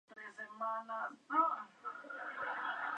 Su primer acción como propietario es despedir al Sr. Burns.